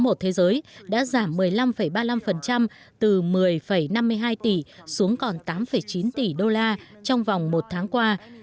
một thế giới đã giảm một mươi năm ba mươi năm từ một mươi năm mươi hai tỷ xuống còn tám chín tỷ đô la trong vòng một tháng qua